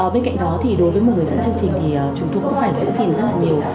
bên cạnh đó thì đối với một người dẫn chương trình thì chúng tôi cũng phải giữ gìn rất là nhiều